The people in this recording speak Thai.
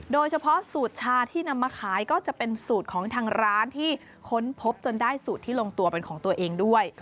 โดยเฉพาะสูตรชาที่นำมาขายก็จะเป็นสูตรของทางร้านที่ค้นพบจนได้สูตรที่ลงตัวเป็นของตัวเองด้วย